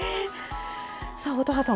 さあ乙葉さん